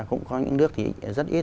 cũng có những nước thì rất ít